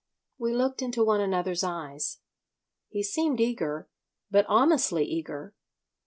We looked into one another's eyes. He seemed eager, but honestly eager.